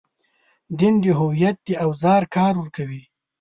دین د هویت د اوزار کار ورکوي.